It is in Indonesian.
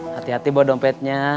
hati hati bawa dompetnya